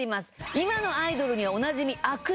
今のアイドルにはおなじみ握手会